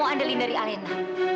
kamu andalin dari alena